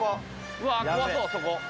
うわ怖そうそこ。